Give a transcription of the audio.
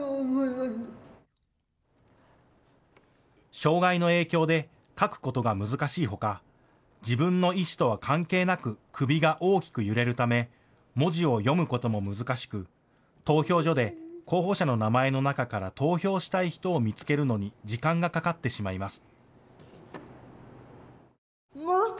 障害の影響で書くことが難しいほか、自分の意思とは関係なく首が大きく揺れるため文字を読むことも難しく投票所で候補者の名前の中から投票したい人を見つけるのに時間がかかってしまいます。